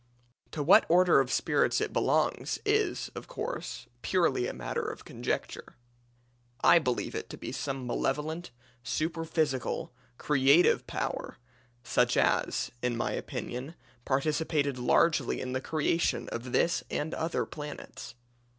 To what order of spirits it belongs is, of course, purely a matter of conjecture. I believe it to be some malevolent, superphysical, creative power, such as, in my opinion, participated largely in the creation of this and other planets.